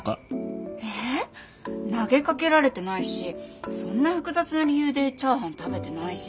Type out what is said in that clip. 投げかけられてないしそんな複雑な理由でチャーハン食べてないし。